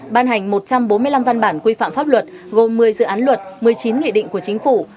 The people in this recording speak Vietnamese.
ban hành một trăm bốn mươi năm văn bản quy phạm pháp luật gồm một mươi dự án luật một mươi chín nghị định của chính phủ